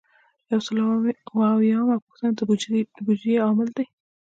یو سل او اووه اویایمه پوښتنه د بودیجې عامل دی.